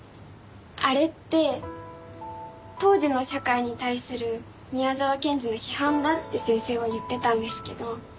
あれって当時の社会に対する宮沢賢治の批判だって先生は言ってたんですけど。